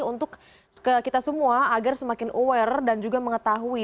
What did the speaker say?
untuk kita semua agar semakin aware dan juga mengetahui